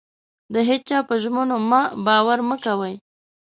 د هيچا په ژمنو مه باور مه کوئ.